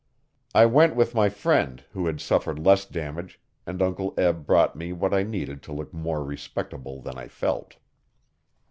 I went with my friend, who had suffered less damage, and Uncle Eb brought me what I needed to look more respectable than I felt.